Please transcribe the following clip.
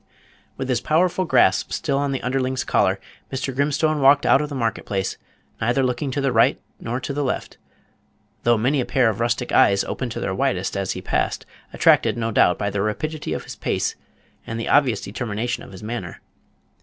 With his powerful grasp still on the underling's collar, Mr. Grimstone walked out of the market place, neither looking to the right nor the left, though many a pair of rustic eyes opened to their widest as he passed, attracted no doubt by the rapidity of his pace and the obvious determination of his manner.